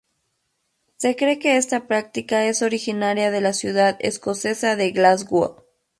Se cree que esta práctica es originaria de la ciudad escocesa de Glasgow.